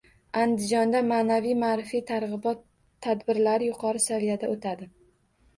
Andijonda ma’naviy-ma’rifiy targ‘ibot tadbirlari yuqori saviyada o‘tadi